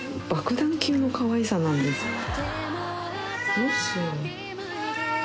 どうしよう。